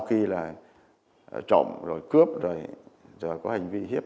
thì em cũng khóa